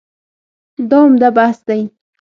دا عمده بحث دی.